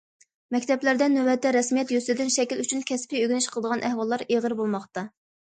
مەكتەپلەردە نۆۋەتتە رەسمىيەت يۈزىسىدىن، شەكىل ئۈچۈن كەسپىي ئۆگىنىش قىلىدىغان ئەھۋاللار ئېغىر بولماقتا.